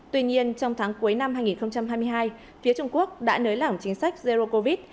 tuy nhiên trong tháng cuối năm hai nghìn hai mươi hai phía trung quốc đã nới lỏng chính sách zero covid